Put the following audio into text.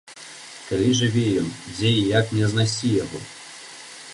Калі жыве ён, дзе і як мне знайсці яго?